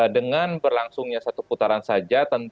dengan berlangsungnya satu putaran saja